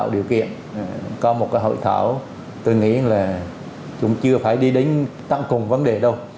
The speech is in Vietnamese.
điều kiện có một hội thảo tôi nghĩ là cũng chưa phải đi đến tăng cùng vấn đề đâu